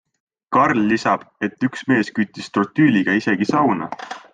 Karl lisab, et üks mees küttis trotüüliga isegi sauna.